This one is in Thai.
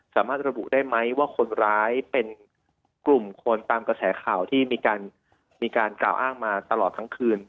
สามารถระบุได้ไหมว่าคนร้ายเป็นกลุ่มคนตามกระแสข่าวที่มีการกล่าวอ้างมาตลอดทั้งคืน